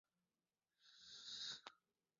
El pedúnculo se une al rizoma en el centro del manojo.